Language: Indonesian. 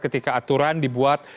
ketika aturan dibuat